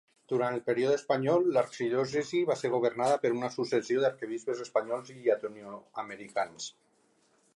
Durant el període espanyol, l'arxidiòcesi va ser governada per una successió d'arquebisbes espanyols i llatinoamericans.